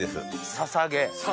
ささげ？